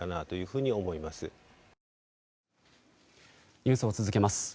ニュースを続けます。